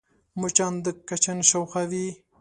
مچان د کچن شاوخوا وي